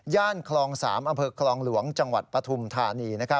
คลอง๓อำเภอคลองหลวงจังหวัดปฐุมธานี